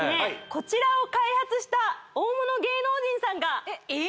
こちらを開発した大物芸能人さんがえっ！？